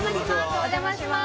お邪魔します